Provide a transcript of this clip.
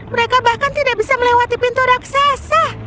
mereka bahkan tidak bisa melewati pintu raksasa